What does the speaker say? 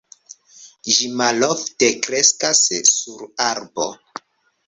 Ĝi malofte kreskas sur arbo.